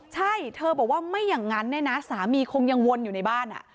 ใช่เธอบอกว่าไม่อย่างนั้นเนี่ยนะสามีคงยังวนอยู่ในบ้าน